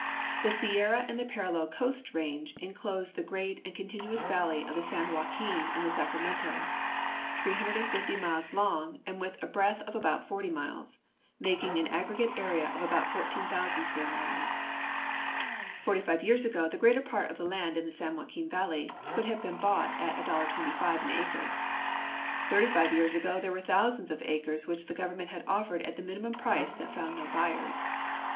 The Sierra and the parallel Coast range inclose the great and continuous valley of the San Joaquin and the Sacramento, 350 miles long and with a breadth of about 40 miles, making an aggregate area of about 14,000 square miles. Forty five years ago the greater part of the land in the San Joaquin valley could have been bought at $1.25 an acre. Thirt}^ five years ago there were thousands of acres which the Government had offered at the minimum price that found no buyers.